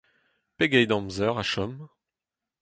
Pegeit amzer a chom ?